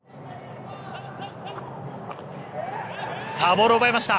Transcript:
ボールを奪いました。